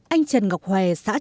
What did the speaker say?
anh trần ngọc hòe xã trường